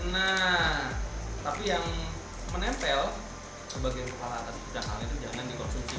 nah tapi yang menempel ke bagian kepala atas kudang halnya itu jangan dikonsumsi